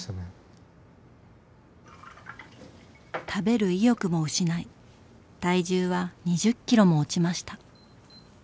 食べる意欲も失い体重は２０キロも落ちました。